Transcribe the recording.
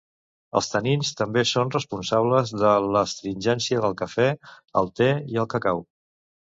Els tanins també són responsables de l'astringència del cafè, el te i el cacau.